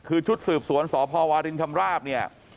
คือชุดสืบสวนสพวารินชำราบเนี่ย